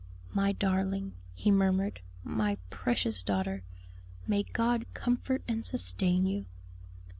"My darling," he murmured, "my precious daughter, may God comfort and sustain you."